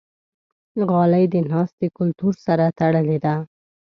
غالۍ د ناستې کلتور سره تړلې ده.